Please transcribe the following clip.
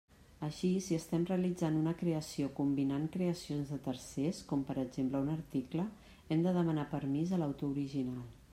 Així, si estem realitzant una creació combinant creacions de tercers, com per exemple un article, hem de demanar permís a l'autor original.